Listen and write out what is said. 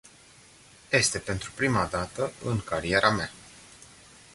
Este pentru prima dată în cariera mea.